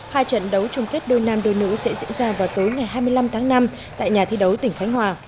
hai trận đấu chung kết đôi nam đôi nữ sẽ diễn ra vào tối ngày hai mươi năm tháng năm tại nhà thi đấu tỉnh khánh hòa